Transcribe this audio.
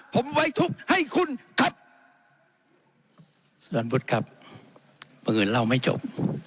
ผมไว้ทุกข์ให้คุณครับสำนพุทธครับบังเงินเล่าไม่จบ